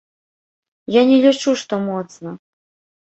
Я не лічу, што моцна.